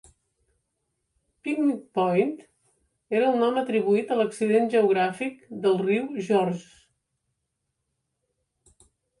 Picnic Point era el nom atribuït a l'accident geogràfic del riu Georges.